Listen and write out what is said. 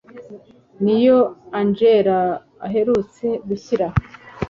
niyo angella aherutse gushyira